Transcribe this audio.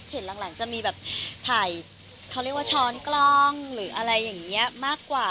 หลังจะมีแบบถ่ายเขาเรียกว่าช้อนกล้องหรืออะไรอย่างนี้มากกว่า